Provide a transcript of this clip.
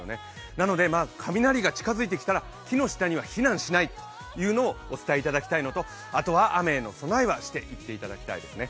なので雷が近づいてきたら木の下には避難しないというのをお伝えいただきたいのとあとは雨への備えはしていただきたいですね。